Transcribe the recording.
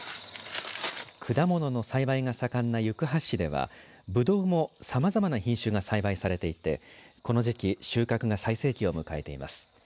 果物の栽培が盛んな行橋市ではブドウもさまざまな品種が栽培されていてこの時期収穫が最盛期を迎えています。